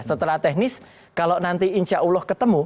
setelah teknis kalau nanti insya allah ketemu